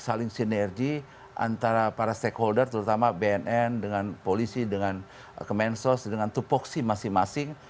saling sinergi antara para stakeholder terutama bnn dengan polisi dengan kemensos dengan tupoksi masing masing